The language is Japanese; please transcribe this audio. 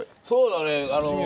そうだね